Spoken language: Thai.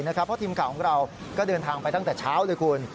เพราะทีมข่าวของเราก็เดินทางไปตั้งแต่เช้าเลยคุณ